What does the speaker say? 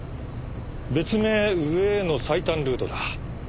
別名「上への最短ルート」だ。